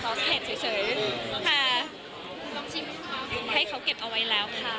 โดยปกติเบลเป็นคนที่ชอบทานอาหารเม็กซีกันอะไรแบบไหน